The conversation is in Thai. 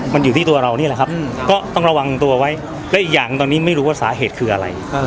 มันอยู่ที่ตัวเรานี่แหละครับก็ต้องระวังตัวไว้และอีกอย่างตอนนี้ไม่รู้ว่าสาเหตุคืออะไร